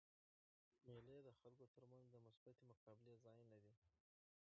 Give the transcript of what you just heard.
مېلې د خلکو تر منځ د مثبتي مقابلې ځایونه دي.